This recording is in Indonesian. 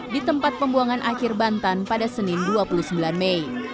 di tempat pembuangan akhir bantan pada senin dua puluh sembilan mei